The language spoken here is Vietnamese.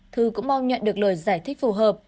thư cũng mong nhận được lời giải thích phù hợp